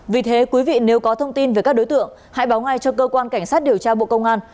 vì thế quý vị nếu có thông tin về các đối tượng hãy báo ngay cho cơ quan cảnh sát điều tra bộ công an